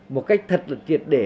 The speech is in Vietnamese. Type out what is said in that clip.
một cách thật là triệt để